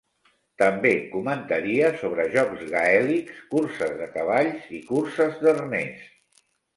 També comentaria sobre jocs gaèlics, curses de cavalls i curses d'arnès.